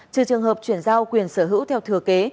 trừ trường hợp chuyển giao quyền sở hữu theo thừa kế